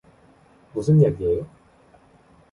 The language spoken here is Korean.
무슨 약이에요?